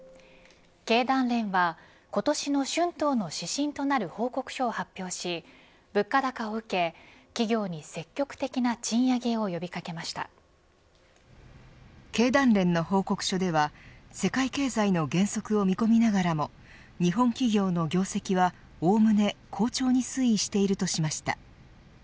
経団連は今年の春闘の指針となる報告書を発表し物価高を受け企業に積極的な賃上げを経団連の報告書では世界経済の減速を見込みながらも日本企業の業績は、おおむね好調に推移しているとしました。